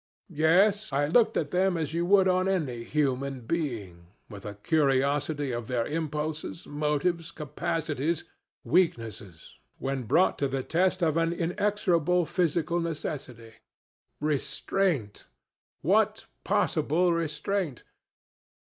Yes; I looked at them as you would on any human being, with a curiosity of their impulses, motives, capacities, weaknesses, when brought to the test of an inexorable physical necessity. Restraint! What possible restraint?